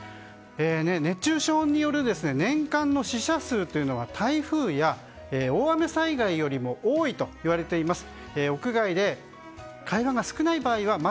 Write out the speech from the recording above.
熱中症による年間の死者数は台風や大雨災害よりも多いといわれています。